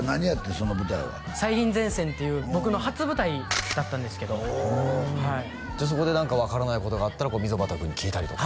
その舞台は「最貧前線」っていう僕の初舞台だったんですけどそこで何か分からないことがあったら溝端君に聞いたりとか？